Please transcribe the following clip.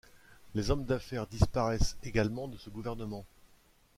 Les hommes d'affaires disparaissent également de ce gouvernement.